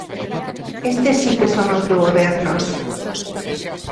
¡Estes si que son autogobernos!